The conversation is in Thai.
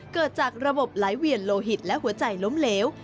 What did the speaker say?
เกิดจากระบบไหลเวียนโลหิตและหัวใจล้มเหลว